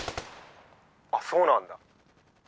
「あそうなんだ。